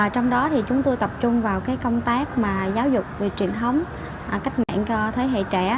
trong đó thì chúng tôi tập trung vào công tác giáo dục về truyền thống cách mạng cho thế hệ trẻ